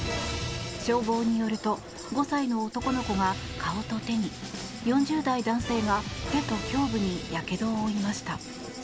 消防によると５歳の男の子が顔と手に４０代男性が手と胸部にやけどを負いました。